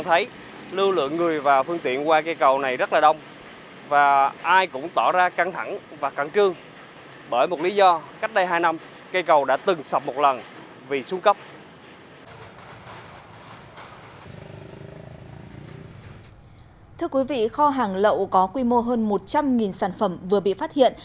thưa quý vị kho hàng lậu có quy mô hơn một trăm linh sản phẩm vừa bị phát hiện